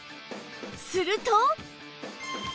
すると